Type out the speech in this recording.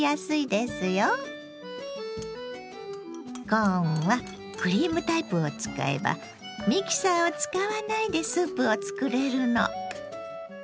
コーンはクリームタイプを使えばミキサーを使わないでスープを作れるの。